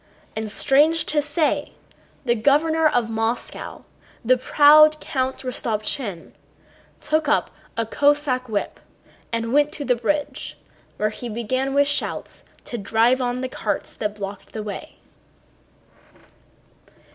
And strange to say, the Governor of Moscow, the proud Count Rostopchín, took up a Cossack whip and went to the bridge where he began with shouts to drive on the carts that blocked the way.